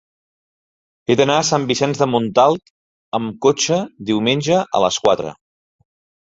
He d'anar a Sant Vicenç de Montalt amb cotxe diumenge a les quatre.